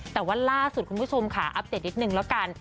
แต่ว่าล่าสุดคุณผู้ชมค่ะอัปเดตนิดนึงแล้วกัน